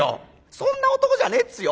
そんな男じゃねえっすよ？